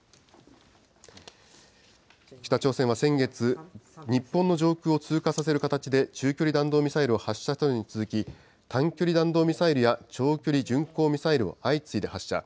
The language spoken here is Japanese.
北朝鮮は先月、日本の上空を通過させる形で中距離弾道ミサイルを発射したのに続き、短距離弾道ミサイルや長距離巡航ミサイルを相次いで発射。